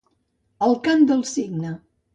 El cant del cigne.